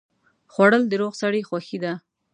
خوړل د روغ سړي خوښي ده